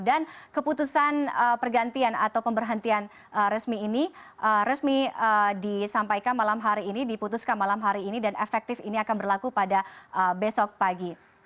keputusan pergantian atau pemberhentian resmi ini resmi disampaikan malam hari ini diputuskan malam hari ini dan efektif ini akan berlaku pada besok pagi